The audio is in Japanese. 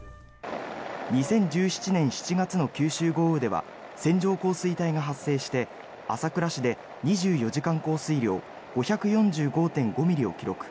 ２０１７年７月の九州豪雨では線状降水帯が発生して朝倉市で２４時間降水量５４５．５ミリを記録。